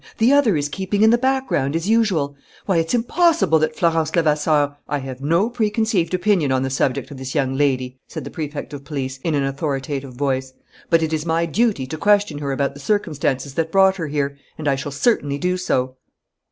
The other is keeping in the background, as usual. Why it's impossible that Florence Levasseur " "I have no preconceived opinion on the subject of this young lady," said the Prefect of Police, in an authoritative voice. "But it is my duty to question her about the circumstances that brought her here; and I shall certainly do so."